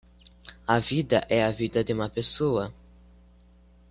A vida é a vida de uma pessoa